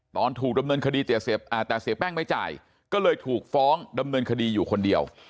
ถูกดำเนินคดีเสียแต่เสียแป้งไม่จ่ายก็เลยถูกฟ้องดำเนินคดีอยู่คนเดียว